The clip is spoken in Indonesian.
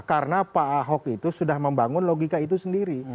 karena pak ahok itu sudah membangun logika itu sendiri